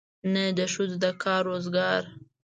نه د ښځو د کار روزګار.